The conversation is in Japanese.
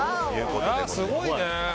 すごいね。